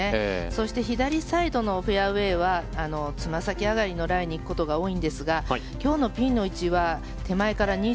そして左サイドのフェアウェーはつま先上がりのライに行くことが多いんですが今日のピンの位置は手前から２９